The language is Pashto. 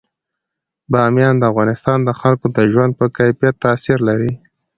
بامیان د افغانستان د خلکو د ژوند په کیفیت تاثیر لري.